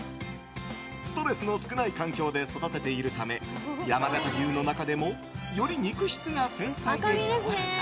ストレスの少ない環境で育てているため山形牛の中でもより肉質が繊細でやわらか。